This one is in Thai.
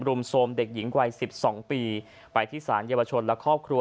มโทรมเด็กหญิงวัยสิบสองปีไปที่สารเยาวชนและครอบครัว